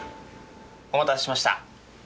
お待たせしました。